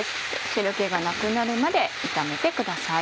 汁気がなくなるまで炒めてください。